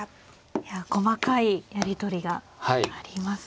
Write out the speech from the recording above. いや細かいやり取りがありますね。